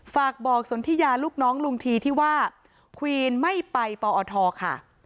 ฝากบอกสนทิยาลูกน้องลุงทีที่ว่าควีนไม่ไปปอทค่ะ